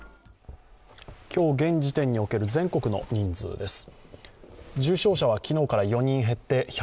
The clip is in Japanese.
今日現時点における全国の人数です。